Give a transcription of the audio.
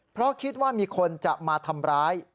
เพราะคิดว่ามีคนจะมาทำร้าย